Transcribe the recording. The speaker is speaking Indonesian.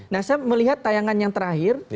nah saya melihat tayangan yang terakhir